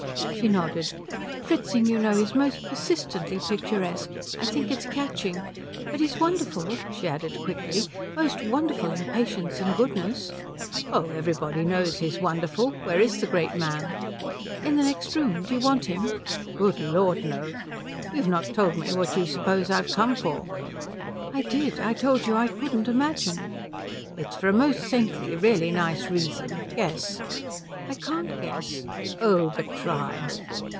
She nodded. "Fritzing, you know, is most persistently picturesque. I think it's catching. But he's wonderful," she added quickly, "most wonderful in patience and goodness." "Oh everybody knows he's wonderful. Where is the great man?" "In the next room. Do you want him?" "Good Lord, no. You've not told me what you suppose I've come for." "I did. I told you I couldn't imagine." "It's for a most saintly, really nice reason. Guess." "I can't guess." "Oh but try."